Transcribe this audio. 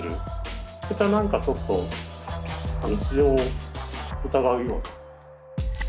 また何かちょっと日常を疑うような。